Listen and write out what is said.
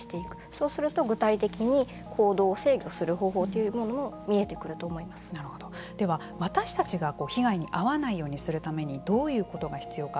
そうすると、具体的に行動を制御する方法というものもでは私たちが被害に遭わないようにするためにどういうことが必要か。